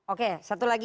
oke satu lagi